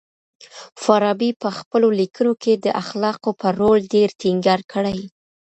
فارابي په خپلو ليکنو کي د اخلاقو پر رول ډېر ټينګار کړی.